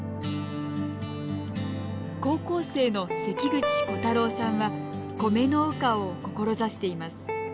高校生の関口琥太郎さんは米農家を志しています。